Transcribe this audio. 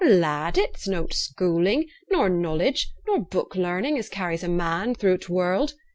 'Lad! it's not schooling, nor knowledge, nor book learning as carries a man through t' world.